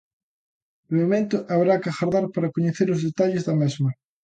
De momento, haberá que agardar para coñecer os detalles da mesma.